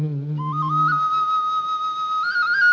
ผู้ที่ยามหลายชะทำแอบคนเดียว